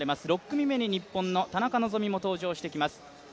６組目に日本の田中希実も登場してきます。